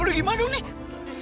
udah gimana nih